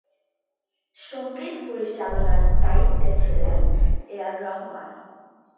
সঙ্গীত পরিচালনার দায়িত্বে ছিলেন এ আর রহমান।